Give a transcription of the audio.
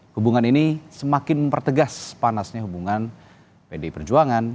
hubungan ini semakin mempertegas panasnya hubungan pdi perjuangan